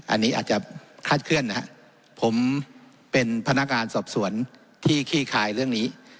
อันนี้อาจจะคลาดเคลื่อนนะครับผมเป็นพนักงานสอบสวนที่ขี้คายเรื่องนี้